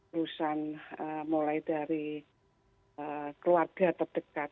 urusan mulai dari keluarga terdekat